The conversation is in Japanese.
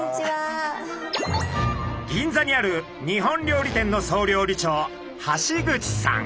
銀座にある日本料理店の総料理長橋口さん。